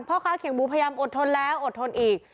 พ่อค้าเขียงหมูพยายามอดทนแล้วอดทนอีก